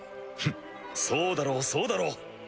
フッそうだろうそうだろう。